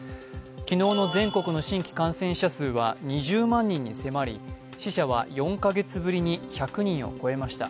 昨日の全国の新規感染者数は２０万人に迫り死者は４カ月ぶりに１００人を超えました。